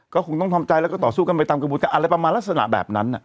ก็คงต้องทำใจแล้วก็ต่อสู้กันไปตามกระบวนการอะไรประมาณลักษณะแบบนั้น